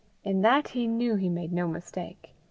In that he knew he made no mistake.